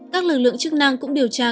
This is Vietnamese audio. các lực lượng chức năng cũng điều tra